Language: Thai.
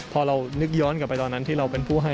พอเรานึกย้อนกลับไปตอนนั้นที่เราเป็นผู้ให้